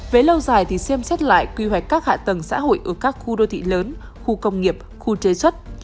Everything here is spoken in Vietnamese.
về lâu dài thì xem xét lại quy hoạch các hạ tầng xã hội ở các khu đô thị lớn khu công nghiệp khu chế xuất